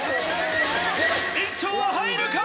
延長は入るか！？